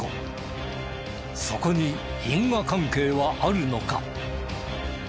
そこに因果関係はあるのか？